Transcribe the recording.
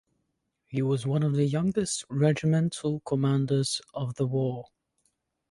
He was one of the youngest regimental commanders of the war.